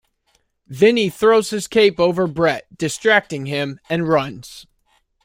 Vinny throws his cape over Bret, distracting him, and runs.